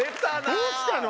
どうしたの？